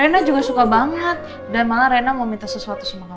rena juga suka banget dan mana rena mau minta sesuatu sama kamu